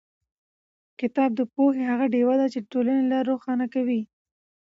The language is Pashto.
کتاب د پوهې هغه ډېوه ده چې د ټولنې لار روښانه کوي.